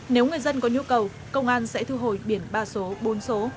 nếu người dân có nhu cầu công an sẽ thu hồi biển ba số bốn số